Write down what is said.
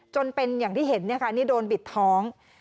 จนเป็นอย่างที่เห็นนี่โดนบิดท้อง